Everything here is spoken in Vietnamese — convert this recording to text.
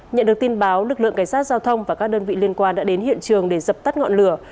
nhận được tin báo lực lượng cảnh sát giao thông và các đơn vị liên quan đã đến hiện trường để dập tắt ngọn lửa